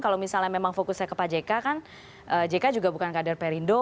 kalau misalnya memang fokusnya ke pak jk kan jk juga bukan kader perindo